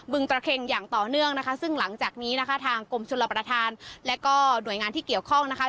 ตระเค็งอย่างต่อเนื่องนะคะซึ่งหลังจากนี้นะคะทางกรมชลประธานและก็หน่วยงานที่เกี่ยวข้องนะคะ